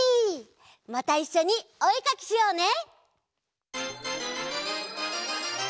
またいっしょにおえかきしようね！